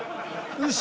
よし。